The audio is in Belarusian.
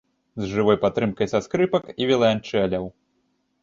З жывой падтрымкай са скрыпак і віяланчэляў.